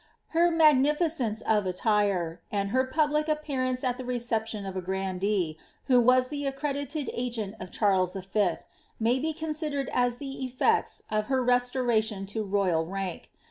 Her magnificence of attire, and her public ap pearance at the reception of a grandee, who was the accredited agent of Charles V., may be considered as the eflects of her restoration to royal rank.